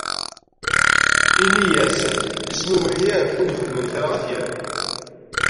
Ini-as: isem-iw Miḥyaf, win ixedmen kra ad t-yaf.